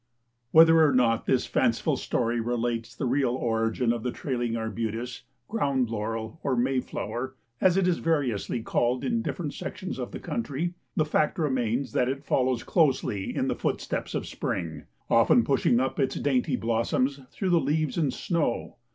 Whether or not this fanciful story relates the real origin of the Trailing Arbutus, Ground Laurel or Mayflower, as it is variously called in different sections of the country, the fact remains that it follows closely in the footsteps of spring, often pushing up its dainty blossoms through the leaves and snow.